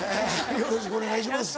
よろしくお願いします。